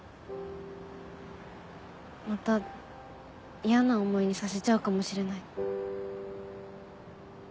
また嫌な思いにさせちゃうかもしれない。